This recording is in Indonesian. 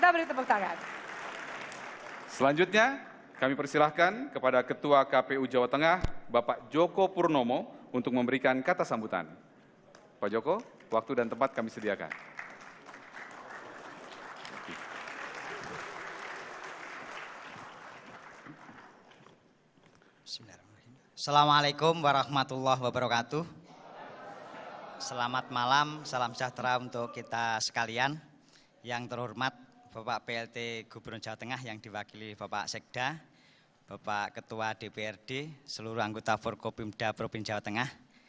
bapak plt gubernur jawa tengah yang diwakili bapak sekda bapak ketua dprd seluruh anggota forkopimda provinsi jawa tengah